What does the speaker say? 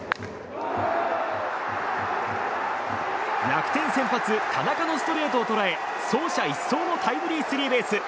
楽天先発、田中のストレートを捉え走者一掃のタイムリースリーベース。